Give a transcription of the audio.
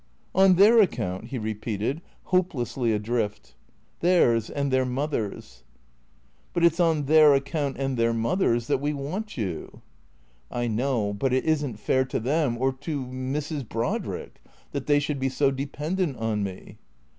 " On their account ?" he repeated, hopelessly adrift. " Theirs, and their mother's." THECREATOES 465 " But it 's on their account — and — their mother's — that we want you." " I know ; but it is n't fair to them or to — Mrs. Brodrick that they should be so dependent on me."